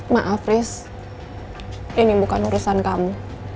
maaf riz ini bukan urusan kamu